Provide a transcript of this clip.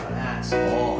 そう。